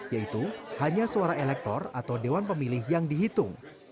yaitu hanya suara elektor atau dewan pemilih yang dihitung